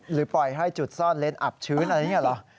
หรือปล่อยให้จุดซ่อนเรนต์อับชื้นอะไรแบบนี้เหรอ